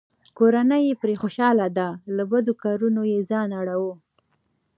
کورنۍ یې پرې خوشحاله ده؛ له بدو کارونو یې ځان اړووه.